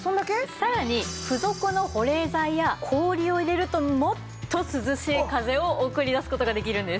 さらに付属の保冷剤や氷を入れるともっと涼しい風を送り出す事ができるんです。